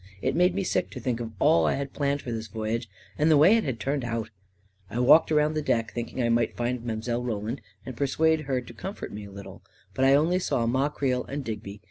It made me sick to think of all I had planned for this voyage, and the way it had turned out ! I walked around the deck, thinking I might find Mile. Roland and persuade her to comfort me a little, 76 A KING IN BABYLON but I saw only Ma Creel and Digby.